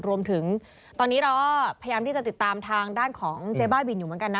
รวมถึงตอนนี้เราก็พยายามที่จะติดตามทางด้านของเจ๊บ้าบินอยู่เหมือนกันนะ